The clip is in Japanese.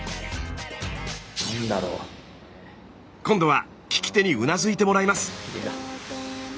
今度は聞き手にうなずいてもらいます。